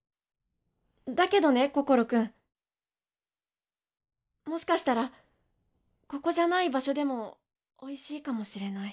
だけどね心くんもしかしたらここじゃない場所でもおいしいかもしれない。